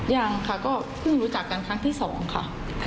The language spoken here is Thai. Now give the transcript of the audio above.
ยังค่ะก็เพิ่งรู้จักกันครั้งที่๒ค่ะ